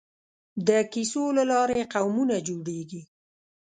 د کیسو له لارې قومونه جوړېږي.